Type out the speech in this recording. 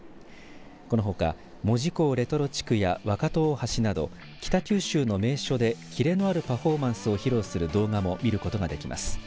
このほか門司港レトロ地区や若戸大橋など、北九州の名称で切れのあるパフォーマンスを披露する動画も見ることができます。